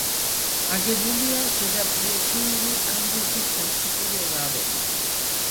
აგებულია ზედაპლიოცენური ანდეზიტ-დაციტური ლავებით.